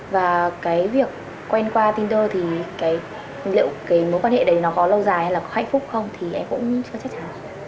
và cái việc quen qua tinder thì liệu cái mối quan hệ đấy nó có lâu dài hay là có hạnh phúc không thì em cũng chưa chắc chắn